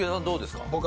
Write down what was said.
どうですか